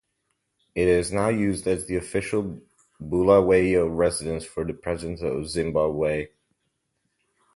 It is now used as the official Bulawayo residence for the President of Zimbabwe.